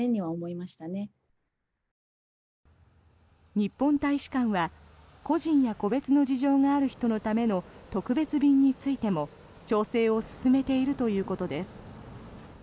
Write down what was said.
日本大使館は個人や個別の事情がある人のための特別便についても調整を進めているということです。